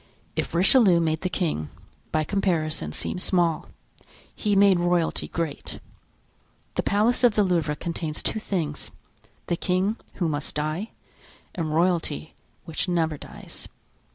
If Richelieu made the king, by comparison, seem small, he made royalty great. The Palace of the Louvre contains two things—the king, who must die, and royalty, which never dies.